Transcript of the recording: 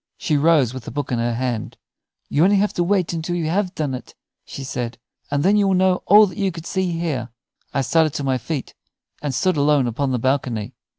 She rose with the book in her hand. "You have only to wait until you have done it," she said, "and then you will know all that you could see here." I started to my feet and stood alone upon the balcony.